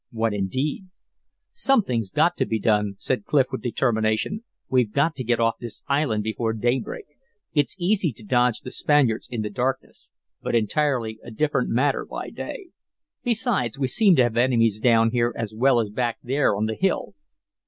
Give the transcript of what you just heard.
What, indeed! "Something's got to be done," said Clif, with determination. "We've got to get off this island before daybreak. It's easy to dodge the Spaniards in the darkness, but entirely a different matter by day. Besides, we seem to have enemies down here as well as back there on the hill."